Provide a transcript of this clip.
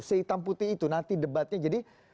sehitam putih itu nanti debatnya jadi